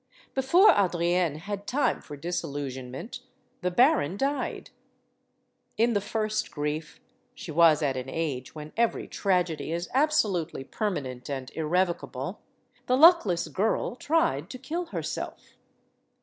Before Adrienne had time for disillusionment, the baron died. In the first grief she was at an age when every tragedy is absolutely permanent and irrevocable ADRIENNE LECOUVREUR 117 the luckless girl tried to kill herself.